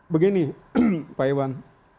begini pak ewan